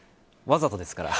わざとですから。